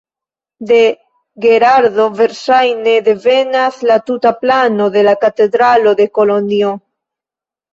De Gerardo verŝajne devenas la tuta plano de la katedralo de Kolonjo.